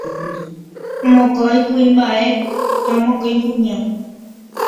Mokõi kuimba'e ha mokõi kuña.